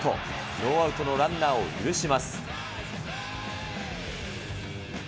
ノーアウトのランナーを許します。